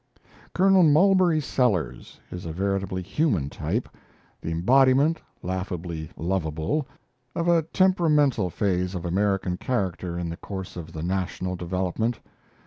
Colonel Mulberry Sellers is a veritably human type, the embodiment, laughably lovable, of a temperamental phase of American character in the course of the national development.